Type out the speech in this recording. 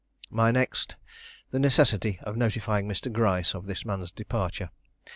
My next, the necessity of notifying Mr. Gryce of this man's departure.